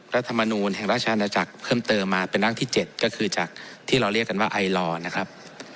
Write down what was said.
รัฐมนูลแห่งราชอาณาจักรเพิ่มเติมมาเป็นร่างที่๗ก็คือจากที่เราเรียกกันว่าไอลอร์นะครับ